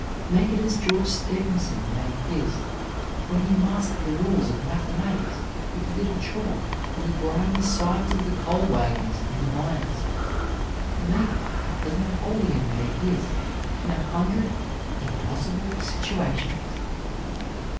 Make it as George Stephenson made his when he mastered the rules of mathematics with a bit of chalk on the grimy sides of the coal wagons in the mines. Make it, as Napoleon made his in a hundred "impossible" situations.